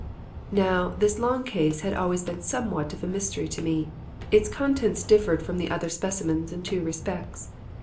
Now, this long case had always been somewhat of a mystery to me. Its contents differed from the other specimens in two respects.